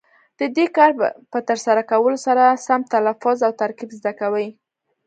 د دې کار په ترسره کولو سره سم تلفظ او ترکیب زده کوي.